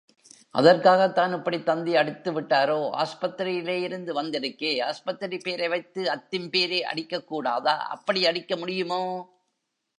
அதற்காகத்தான் இப்படித் தந்தி அடித்துவிட்டாரோ? ஆஸ்பத்திரியிலேயிருந்து வந்திருக்கே? ஆஸ்பத்திரிப் பேரை வைத்து அத்திம்பேரே அடிக்கக்கூடாதா? அப்படி அடிக்க முடியுமோ?